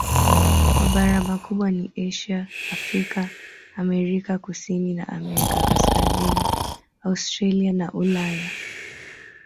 Mabara makubwa ni Asia, Afrika, Amerika Kusini na Amerika Kaskazini, Australia na Ulaya.